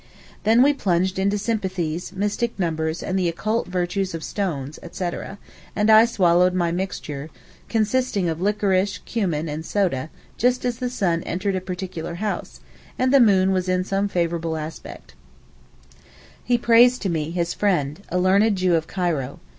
Then we plunged into sympathies, mystic numbers, and the occult virtues of stones, etc., and I swallowed my mixture (consisting of liquorice, cummin and soda) just as the sun entered a particular house, and the moon was in some favourable aspect. He praised to me his friend, a learned Jew of Cairo.